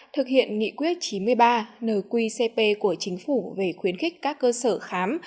thực hiện nghị quyết chín mươi ba nờ quy cp của chính phủ về khuyến khích các cơ sở khám